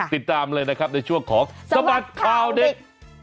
ติดตามเลยนะครับในช่วงของสบัดข่าวเด็ก